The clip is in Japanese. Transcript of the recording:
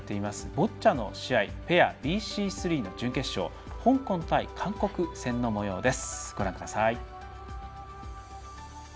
ボッチャの試合ペアＢＣ３の準決勝香港対韓国戦のもようです。